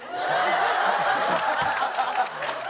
ハハハハ！